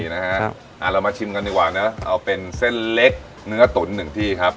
เรามาชิมกันดีกว่าเนอะเอาเป็นเส้นเล็กเนื้อตุ๋นหนึ่งที่ครับ